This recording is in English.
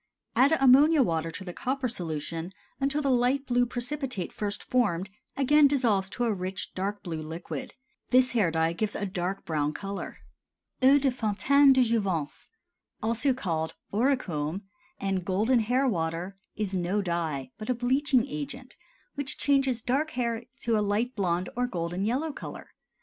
Add ammonia water to the copper solution until the light blue precipitate first formed again dissolves to a rich, dark blue liquid. This hair dye gives a dark brown color. EAU DE FONTAINE DE JOUVENCE, also called Auricome and Golden Hair Water, is no dye, but a bleaching agent which changes dark hair to a light blond or golden yellow color.